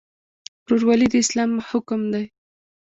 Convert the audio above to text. ورورولي د اسلام حکم دی